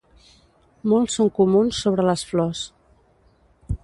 Molts són comuns sobre les flors.